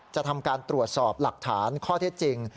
จะทำการตรวจสอบหลักฐานข้อเท็จจริง